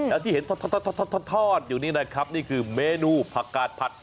แล้วที่เห็นทอดอยู่นี่นะครับนี่คือเมนูผักกาดผัด